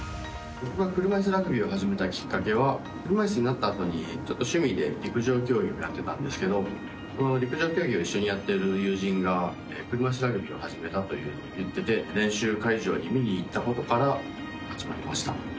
僕が車いすラグビーを始めたきっかけは車いすになったあとに趣味で陸上競技をやっていたんですけどこの陸上競技を一緒にやっている友人が車いすラグビーを始めたと言っていて練習会場に見に行ったことから始まりました。